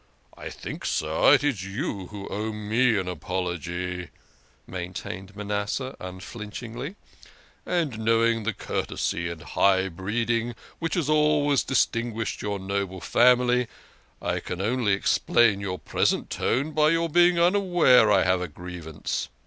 " I think, sir, it is you who owe me an apology," main tained Manasseh unflinchingly, "and, knowing the courtesy and high breeding which has always distinguished your noble family, I can only explain your present tone by your being HA! HA! HA!' LAUGHED MANASSEH." 114 THE KING OF SCHNORRERS. unaware I have a grievance.